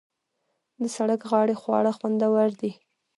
د سړک غاړې خواړه خوندور دي.